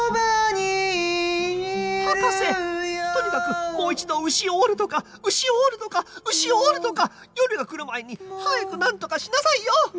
博士とにかくもう一度うしを折るとかうしを折るとかうしを折るとか夜が来る前に早くなんとかしなさいよ！